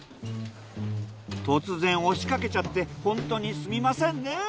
突然押しかけちゃってホントにすみませんね。